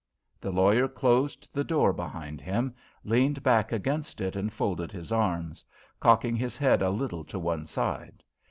The lawyer closed the door behind him, leaned back against it and folded his arms, cocking his head a little to one side.